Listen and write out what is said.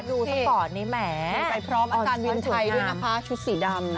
ดูทั้งป่อนนี้แหมพร้อมอาการวินไทยด้วยนะคะชุดสีดำ